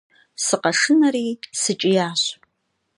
Сыкъэшынэри, сыкӀиящ.